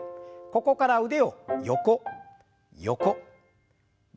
ここから腕を横横前前。